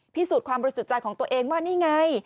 พิสูจน์ความบริสุทธิ์ใจของตัวเองว่านี่ไง